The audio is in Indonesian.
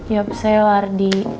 yap sel lardi